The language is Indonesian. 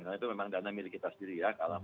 karena itu memang dana milik kita sendiri ya